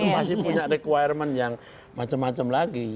masih punya requirement yang macam macam lagi